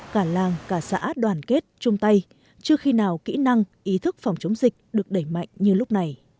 cả làng cả xã đoàn kết chung tay chưa khi nào kỹ năng ý thức phòng chống dịch được đẩy mạnh như lúc này